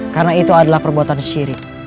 karena itu adalah perbuatan sirik